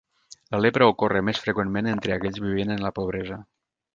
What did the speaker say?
La lepra ocorre més freqüentment entre aquells vivint en la pobresa.